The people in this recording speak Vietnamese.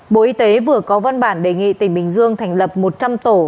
bộ y tế vừa có văn bản đề nghị tỉnh bình dương thành lập một trăm linh tổ